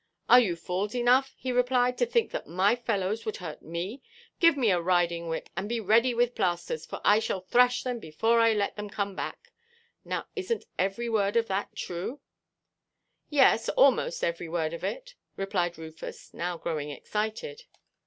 'Are you fools enough,' he replied, 'to think that my fellows would hurt me? Give me a riding–whip, and be ready with plasters, for I shall thrash them before I let them come back.' Now isnʼt every word of that true?" "Yes, almost every word of it," replied Rufus, now growing excited.